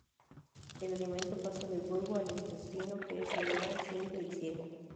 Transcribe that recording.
El alimento pasa del bulbo al intestino, que es lineal, simple y ciego.